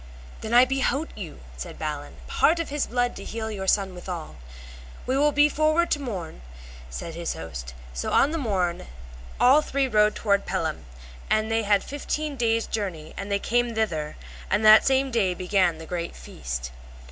Then I behote you, said Balin, part of his blood to heal your son withal. We will be forward to morn, said his host. So on the morn they rode all three toward Pellam, and they had fifteen days' journey or they came thither; and that same day began the great feast.